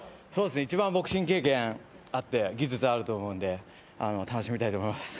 一番ボクシング経験があって技術があると思うんで楽しみたいと思います。